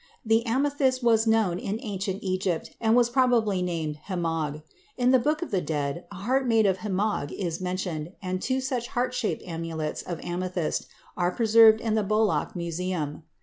The amethyst was known in ancient Egypt and probably was named hemag. In the Book of the Dead a heart made of hemag is mentioned, and two such heart shaped amulets of amethyst are preserved in the Boulaq Museum.